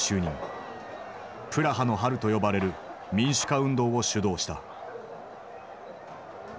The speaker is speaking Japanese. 「プラハの春」と呼ばれる民主化運動を主導した。